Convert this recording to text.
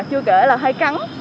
chưa kể là hay cắn